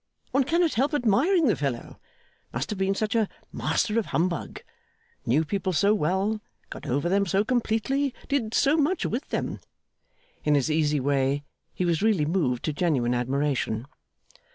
One cannot help admiring the fellow. Must have been such a master of humbug. Knew people so well got over them so completely did so much with them!' In his easy way, he was really moved to genuine admiration.